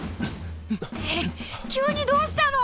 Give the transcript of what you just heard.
急にどうしたの？